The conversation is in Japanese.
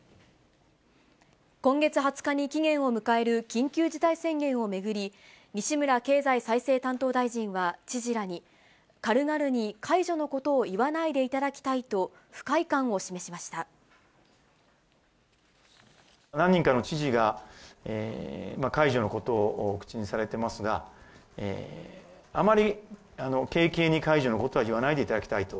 今月２０日に期限を迎える緊急事態宣言を巡り、西村経済再生担当大臣は知事らに、軽々に解除のことを言わないでいただきたいと、不快感を示しまし何人かの知事が、解除のことを口にされていますが、あまり軽々に解除のことは言わないでいただきたいと。